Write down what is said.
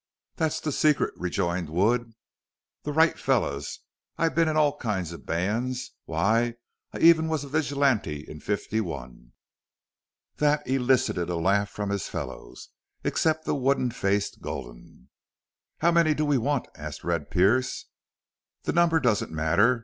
"Thet's the secret," rejoined Wood. "The right fellers. I've been in all kinds of bands. Why, I even was a vigilante in '51." This elicited a laugh from his fellows, except the wooden faced Gulden. "How many do we want?" asked Red Pearce. "The number doesn't matter.